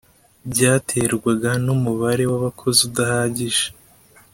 byaterwaga n umubare w abakozi udahagije